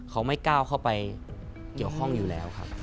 เขาไม่ก้าวเข้าไปเกี่ยวข้องอยู่แล้วครับ